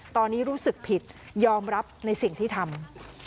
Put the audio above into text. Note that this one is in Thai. ตอนนี้รู้สึกผิดยอมรับในสิ่งที่ทำ